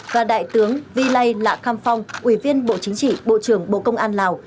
và đại tướng vi lây lạ kham phong ủy viên bộ chính trị bộ trưởng bộ công an lào